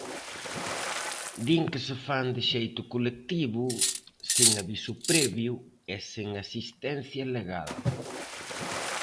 Din que se fan de xeito colectivo, sen aviso previo e sen asistencia legal.